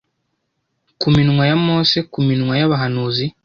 ku minwa ya mose ku minwa y'abahanuzi